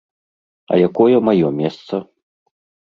А якое маё месца?